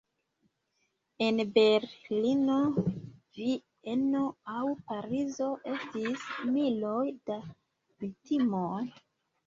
En Berlino, Vieno aŭ Parizo estis miloj da viktimoj.